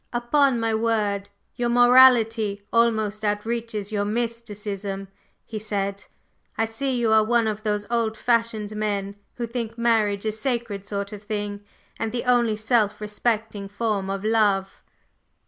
"Upon my word, your morality almost outreaches your mysticism!" he said. "I see you are one of those old fashioned men who think marriage a sacred sort of thing and the only self respecting form of love."